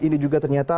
ini juga ternyata